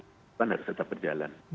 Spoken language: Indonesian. hidupan harus tetap berjalan